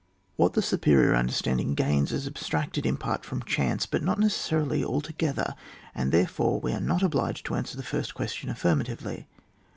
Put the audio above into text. What the superior understanding gains is abstracted in part from chance, but not necessarily altogether, and therefore we are not obliged to answer the first question affirmatively.